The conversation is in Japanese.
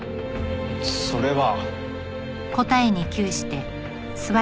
それは。